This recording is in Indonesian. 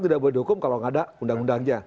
tidak boleh dihukum kalau nggak ada undang undangnya